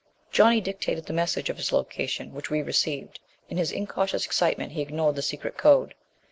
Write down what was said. Johnny dictated the message of his location which we received. In his incautious excitement he ignored the secret code.